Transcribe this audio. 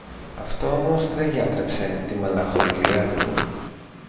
Αυτό όμως δε γιάτρεψε τη μελαγχολία του.